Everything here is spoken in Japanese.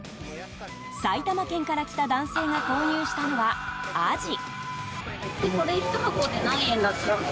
埼玉県から来た男性が購入したのはアジ。